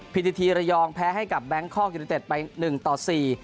พิธีทีระยองแพ้ให้กับแบงคอกยูนิเต็ดไปหนึ่งต่อสี่